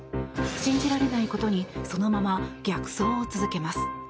信じられないことにそのまま逆走を続けます。